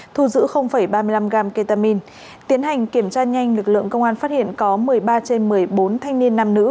thu giữ ba mươi năm gram ketamin tiến hành kiểm tra nhanh lực lượng công an phát hiện có một mươi ba trên một mươi bốn thanh niên nam nữ